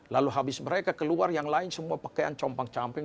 lalu habis mereka keluar yang lain semua pakaian compang camping